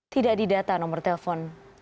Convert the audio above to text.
tidak didata nomor telepon